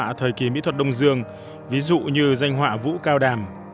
như là doanh hoa thời kỳ mỹ thuật đông dương ví dụ như doanh hoa vũ cao đàm